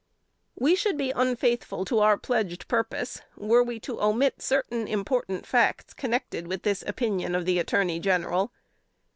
] We should be unfaithful to our pledged purpose, were we to omit certain important facts connected with this opinion of the Attorney General.